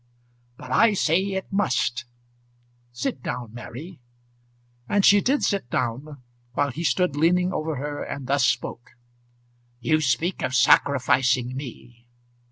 "But I say it must. Sit down, Mary." And she did sit down, while he stood leaning over her and thus spoke. "You speak of sacrificing me.